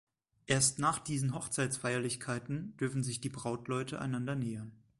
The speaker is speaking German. Erst nach diesen Hochzeitsfeierlichkeiten dürfen sich die Brautleute einander nähern.